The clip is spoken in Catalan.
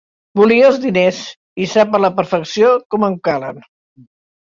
Volia els diners, i sap a la perfecció com em calen.